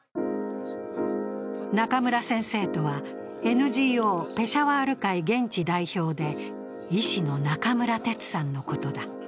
中村先生とは、ＮＧＯペシャワール会現地代表で医師の中村哲さんのことだ。